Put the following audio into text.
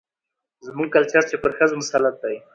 زموږ کلچر چې پر ښځو مسلط دى،